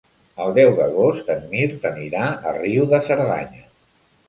El deu d'agost en Mirt anirà a Riu de Cerdanya.